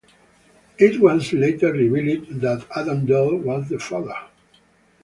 It was later revealed that Adam Dell was the father.